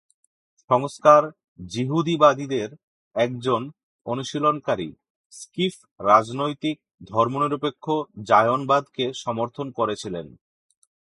সংস্কার যিহূদীবাদের একজন অনুশীলনকারী, স্কিফ রাজনৈতিক, ধর্মনিরপেক্ষ জায়নবাদকে সমর্থন করেছিলেন।